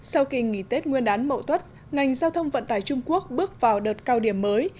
sau kỳ nghỉ tết nguyên đán mậu tuất ngành giao thông vận tải trung quốc bước vào đợt cao điểm mới